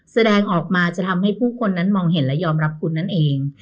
แสดงออกมาจะทำให้ผู้คนนั้นมองเห็นและยอมรับคุณนั่นเอง